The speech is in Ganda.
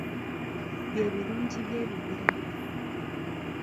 Bye birungi by'ebibira.